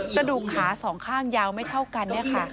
กระดูกขาสองข้างยาวไม่เท่ากัน